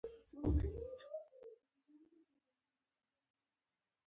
کبير : هو پلاره زموږ د کلي صمدو دى.